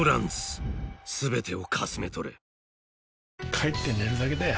帰って寝るだけだよ